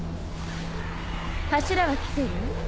柱は来てる？